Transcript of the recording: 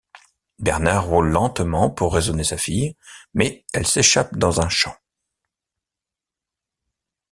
Bernard roule lentement pour raisonner sa fille mais elle s'échappe dans un champ.